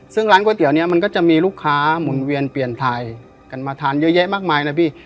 ซึ่งร้านก๋วยเตี๋ยเนี่ยมันก็จะมีลูกค้าหมุนเวียนเปลี่ยนไทยกันมาทานเยอะแยะมากมายนะพี่